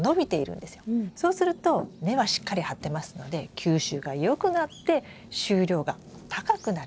そうすると根はしっかり張ってますので吸収がよくなって収量が高くなる。